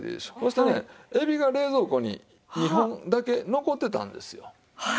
そしてねエビが冷蔵庫に２本だけ残ってたんですよ。